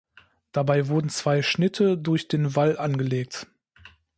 Dabei wurden zwei Schnitte durch den Wall angelegt.